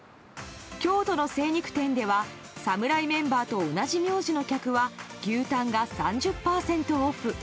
京都の精肉店では侍メンバーと同じ名字の客は牛タンが３０％オフ。